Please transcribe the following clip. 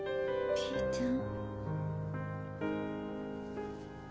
ピーちゃん。